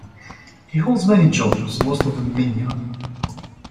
He holds many jobs, most of them menial.